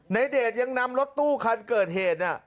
ในเดชยังนำรถตู้คันเกิดเหตุ